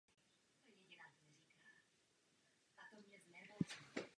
Jeho nejnovější román "Friendly Fire" se zaměřuje na izraelské rodinné vztahy.